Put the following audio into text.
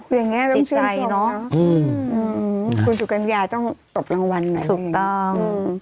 อย่างงี้เริ่มชื่นชมจิตใจเนอะอืมอืมคุณสุกัญญาต้องตบรางวัลไงถูกต้อง